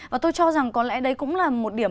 và tôi cho rằng có lẽ đấy cũng là một điểm